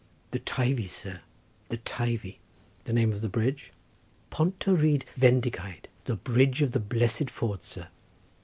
"The Teivi, sir; the Teivi." "The name of the bridge?" "Pont y Rhyd Fendigaid—the Bridge of the Blessed Ford, sir."